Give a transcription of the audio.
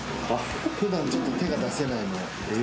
普段ちょっと手が出せないのを。